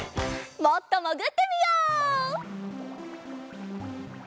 もっともぐってみよう！